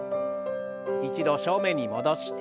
一度正面に戻して。